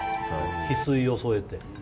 ヒスイを添えて？